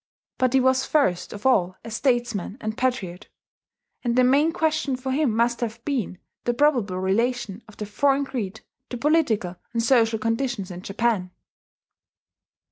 But he was first of all a statesman and patriot; and the main question for him must have been the probable relation of the foreign creed to political and social conditions in Japan.